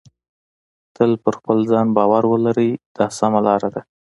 تل په خپل ځان باور ولرئ دا سمه لار ده.